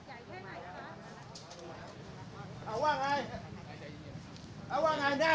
อ่าว่าไงอ่าว่านานี่แหว่หมอมึงแห่งครับ